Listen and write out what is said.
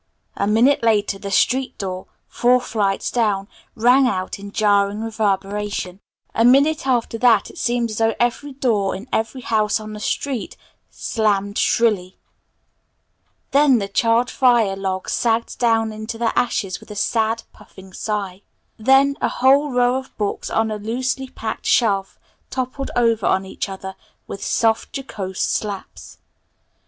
A minute later the street door, four flights down, rang out in jarring reverberation. A minute after that it seemed as though every door in every house on the street slammed shrilly. Then the charred fire log sagged down into the ashes with a sad, puffing sigh. Then a whole row of books on a loosely packed shelf toppled over on each other with soft jocose slaps.